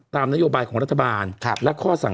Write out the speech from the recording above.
ตามนโยบายของรัฐบาล